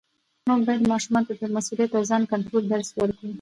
موږ باید ماشومانو ته د مسؤلیت او ځان کنټرول درس ورکړو